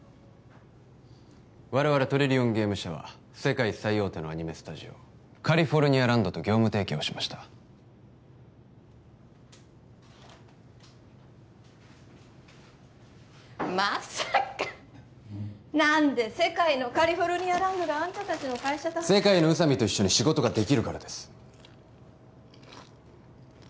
我々トリリオンゲーム社は世界最大手のアニメスタジオカリフォルニアランドと業務提携をしましたまさか何で世界のカリフォルニアランドがあんた達の会社と世界の宇佐美と一緒に仕事ができるからです